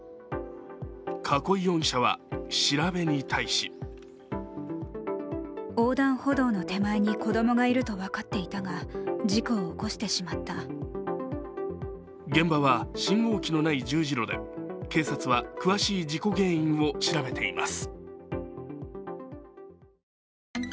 栫容疑者は調べに対し現場は信号機のない十字路で警察は詳しい事故原因を調べています。